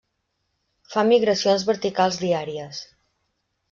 Fa migracions verticals diàries.